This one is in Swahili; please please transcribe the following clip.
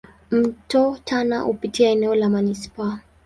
Mto Tana hupitia eneo la manispaa.